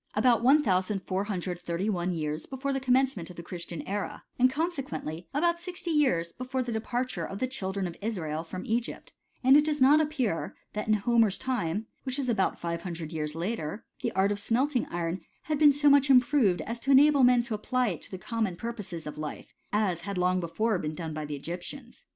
about 1431 years before the commencement of the Christian era, and consequently about sixty years before the departure of the children of Israel from Egypt: and it does not appear, that in Homer's time, which was about five hundred years later, the art of smelting iron had been so much improved, as to enable men to apply it to the common purposes of life, as had long before been done by the Egyptians.